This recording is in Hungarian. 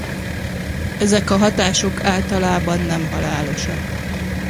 Ezek a hatások általában nem halálosak.